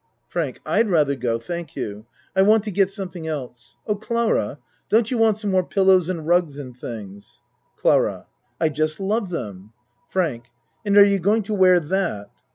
FRANK I'd rather go thank you. I want to get something else. Oh, Clara, don't you want some more pillows and rugs and things? CLARA I'd just love them. FRANK And are you going to wear that?